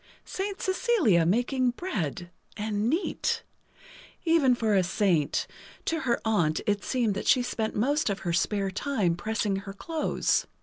Saint Cecilia making bread! And neat! Even for a saint; to her aunt it seemed that she spent most of her spare time pressing her clothes.